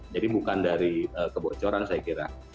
jadi bukan dari kebocoran saya kira